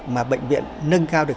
mà bệnh viện nâng cao được